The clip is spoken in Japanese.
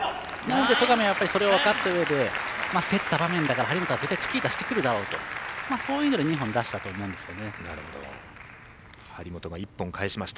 戸上は分かったうえで競った場面だから張本はチキータをしてくるだろうとそういうので２本出したと思うんですね。